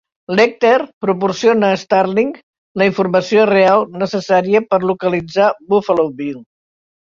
Lecter proporciona a Starling la informació real necessària per localitzar Buffalo Bill.